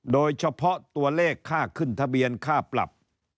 โดยเฉพาะตัวเลขค่าขึ้นทะเบียนค่าปรับ